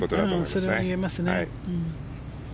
それは言えますね。